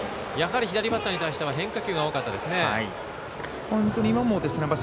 やはり左バッターに対しては変化球が多かったですね。